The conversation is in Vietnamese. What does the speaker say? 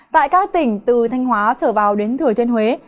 tại các tỉnh từ thanh hóa trở vào đến thừa thiên huế